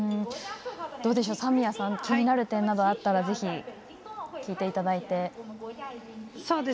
三宮さん気になる点などあったらぜひ、聞いていただいて。